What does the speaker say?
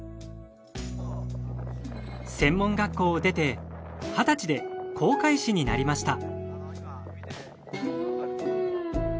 専門学校を出て二十歳で航海士になりました。